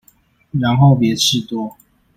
然後別吃多